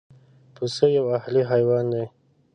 پسه یو اهلي حیوان دی.